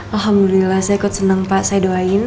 alhamdulillah saya ikut senang pak saya doain